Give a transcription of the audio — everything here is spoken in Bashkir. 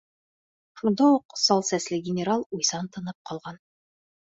Шунда уҡ сал сәсле генерал уйсан тынып ҡалған.